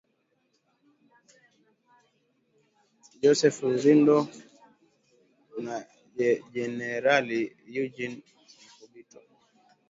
Joseph Rurindo na Jenerali Eugene Nkubito